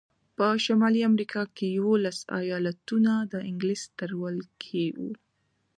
په شمالي امریکا کې یوولس ایالتونه د انګلیس تر ولکې وو.